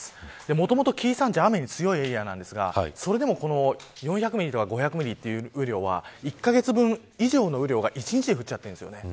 もともと紀伊山地は雨に強いエリアなんですがそれでも、４００ミリとか５００ミリという雨量は１カ月分以上の雨量が１日で降っているんです。